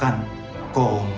saya bukan komunis